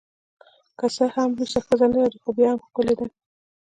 که څه هم لوڅه ښځه نلري خو بیا هم ښکلې ده